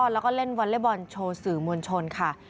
แล้วก็เล่นวอเล็กบอลโชว์สื่อมวลชนค่ะ